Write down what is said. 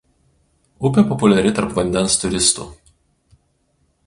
Upė populiari tarp vandens turistų.